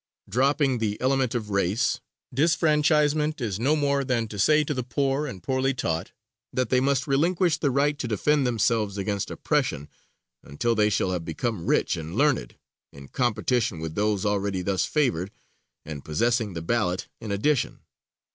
Dropping the element of race, disfranchisement is no more than to say to the poor and poorly taught, that they must relinquish the right to defend themselves against oppression until they shall have become rich and learned, in competition with those already thus favored and possessing the ballot in addition.